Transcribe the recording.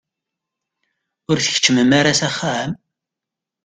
Ur tkeččmem ara s axxam?